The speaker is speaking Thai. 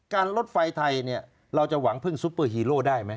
การรถไฟไทยเราจะหวังเพิ่งซุเปอร์ฮีโรได้มั้ย